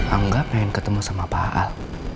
angga pengen ketemu sama pak al